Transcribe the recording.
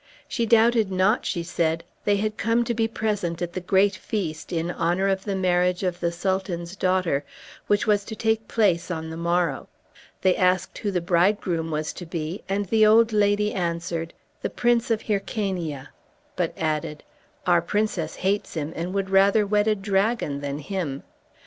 She doubted not, she said, they had come to be present at the great feast in honor of the marriage of the Sultan's daughter, which was to take place on the morrow. They asked who the bridegroom was to be, and the old lady answered, "The Prince of Hyrcania," but added, "Our princess hates him, and would rather wed a dragon than him."